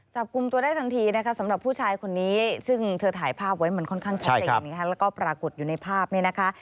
จับกลุ่มตัวได้ทันทีนะคะสำหรับผู้ชายคนนี้ซึ่งเธอถ่ายภาพไว้มันค่อนข้างชัดเจนแล้วก็ปรากฏอยู่ในภาพเนี่ยนะคะ